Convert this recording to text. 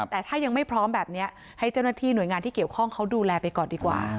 แต่ถ้ายังไม่พร้อมแบบนี้ให้เจ้าหน้าที่หน่วยงานที่เกี่ยวข้องเขาดูแลไปก่อนดีกว่า